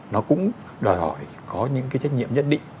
nó cũng đòi hỏi có những cái trách nhiệm nhất định